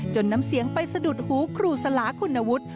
น้ำเสียงไปสะดุดหูครูสลาคุณวุฒิ